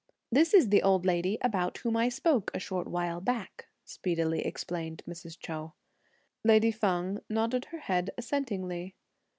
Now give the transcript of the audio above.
"This is the old lady about whom I spoke a short while back," speedily explained Mrs. Chou. Lady Feng nodded her head assentingly.